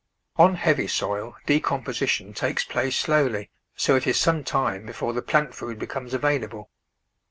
On heavy soil decomposition takes place slowly, so it is some time before the plant food becomes available.